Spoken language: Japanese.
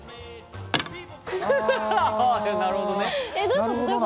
なるほどな。